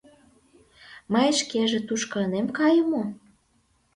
Мый шкеже тушко ынем кае мо?»